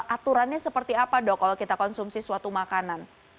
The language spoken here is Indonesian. aturannya seperti apa dok kalau kita konsumsi suatu makanan